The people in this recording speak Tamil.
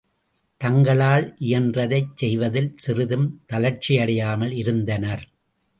தங்களால் இயன்றதை செய்வதில் சிறிதும் தளர்ச்சியடையாமல் இருந்தனர்.